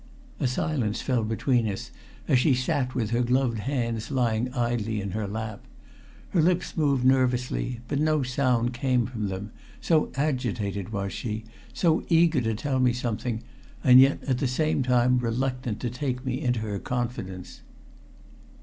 A silence fell between us as she sat with her gloved hands lying idly in her lap. Her lips moved nervously, but no sound came from them, so agitated was she, so eager to tell me something; and yet at the same time reluctant to take me into her confidence.